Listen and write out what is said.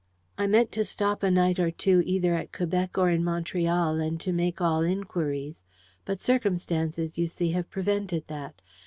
I meant to stop a night or two either at Quebec or in Montreal, and to make all inquiries: but circumstances, you see, have prevented that.